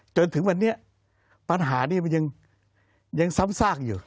จนถึงวันนี้ปัญหานี้มันยังซ้ำซากอยู่